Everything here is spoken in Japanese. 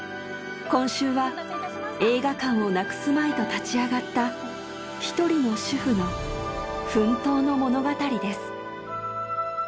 今週は映画館をなくすまいと立ち上がった一人の主婦の奮闘の物語です。